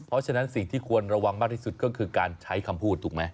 เพราะฉะนั้นสิ่งที่ควรระวังมากที่สุดก็คือการใช้คำพูดถูกไหม